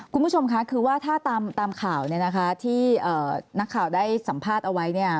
คุณผู้ชมค่ะคือว่าถ้าตามข่าวเนี่ยนะคะที่นักข่าวได้สัมภาษณ์เอาไว้เนี่ย